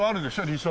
理想。